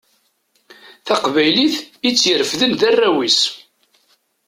Taqbaylit i tt-irefden d arraw-is.